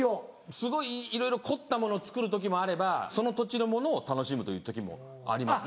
すごいいろいろ凝ったものを作る時もあればその土地のものを楽しむという時もありますね。